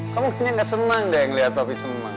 kamu kayaknya gak senang gak ngeliat papi senang